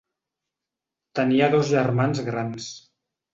Tenia dos germans grans.